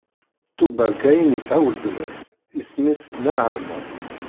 Tubal-Kayin isɛa weltma-s, isem-is Naɛama.